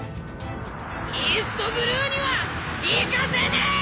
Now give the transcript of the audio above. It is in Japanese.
イーストブルーには行かせねえーッ！